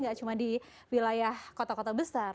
gak cuma di wilayah kota kota besar